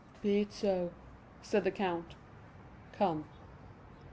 "Be it so," said the count, "come."